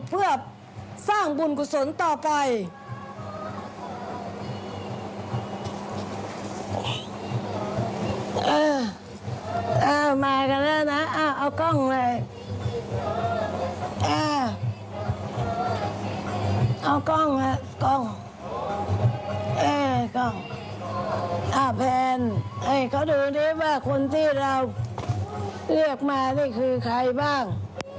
แพนให้เขาดูดิว่าคนที่เราเรียกมานี่คือใครบ้าง